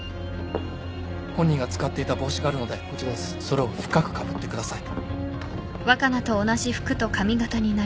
本人が使っていた帽子があるのでそれを深くかぶってください。